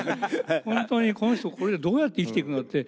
本当にこの人これでどうやって生きていくのって。